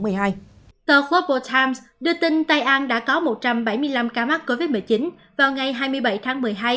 tờ khople times đưa tin tây an đã có một trăm bảy mươi năm ca mắc covid một mươi chín vào ngày hai mươi bảy tháng một mươi hai